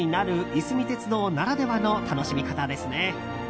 いすみ鉄道ならではの楽しみ方ですね。